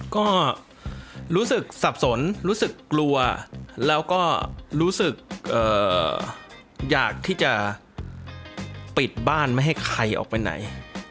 ก็รู้สึกสับสนรู้สึกกลัวแล้วก็รู้สึกอยากที่จะปิดบ้านไม่ให้ใครออกไปไหน